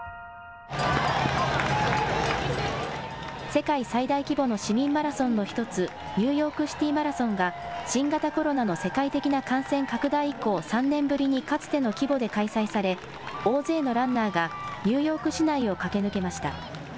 世界最大規模の市民マラソンの１つ、ニューヨークシティマラソンが新型コロナの世界的な感染拡大以降、３年ぶりにかつての規模で開催され大勢のランナーがニューヨーク市内を駆け抜けました。